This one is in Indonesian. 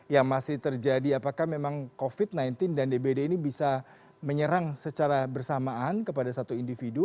yang masih terjadi apakah memang covid sembilan belas dan dbd ini bisa menyerang secara bersamaan kepada satu individu